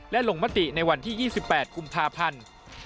และลงมติในวันที่๒๘กุมภาพันธ์